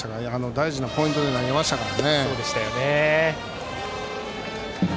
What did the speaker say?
大事なポイントで投げましたから。